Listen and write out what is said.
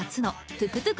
トゥックトゥク！